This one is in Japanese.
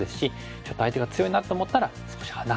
ちょっと相手が強いなと思ったら少し離す。